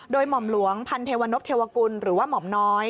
โดยหม่อมหลวงพันเทวนพเทวกุลหรือว่าหม่อมน้อย